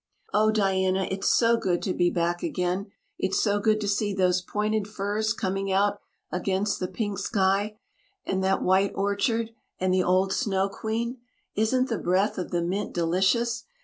"Oh, Diana, it's so good to be back again. It's so good to see those pointed firs coming out against the pink sky and that white orchard and the old Snow Queen. Isn't the breath of the mint delicious?